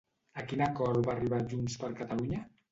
A quin acord va arribar JxCat?